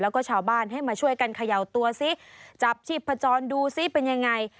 แล้วก็ชาวบ้านให้มาช่วยกันเขย่าตัวซิจับชีพจรดูซิเป็นยังไง